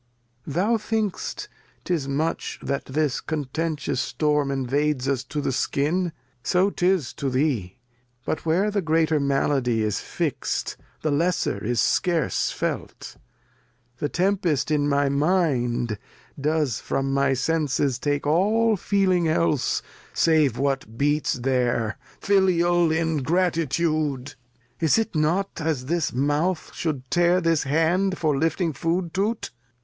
Beseech you, Sir. Lear. Thou think'st 'tis much that this contentious Storm Invades us to the Skin ; so 'tis to thee ; But where the greater Malady is fixt. The lesser is scarce felt : The Tempest in my Mind Does from my Senses take all feeling else. 212 The History of [Act in Save what beats there. Filial Ingratitude ! Is it not as this Mouth should tear this Hand For lifting Food to't